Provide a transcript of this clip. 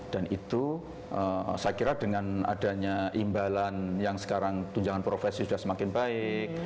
dan itu saya kira dengan adanya imbalan yang sekarang tunjangan profesi sudah semakin baik